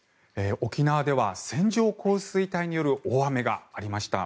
沖縄では線状降水帯による大雨がありました。